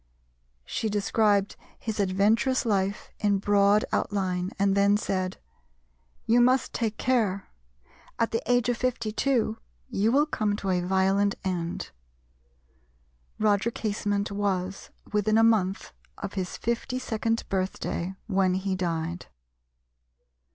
She described his adventurous life in broad outline, and then said, "You must take care: at the age of 52 you will come to a violent end." Roger Casement was within a month of his fifty second birthday when he died.